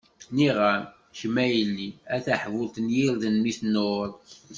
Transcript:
Nniɣ-am, kemm a yelli, a taḥbult n yirden mi tnuṛ.